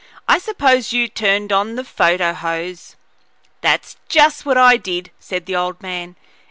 "I suppose you turned on the photo hose." "That's just what I did," said the old man.